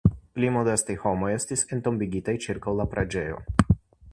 Pli modestaj homoj estis entombigitaj ĉirkaŭ la preĝejo.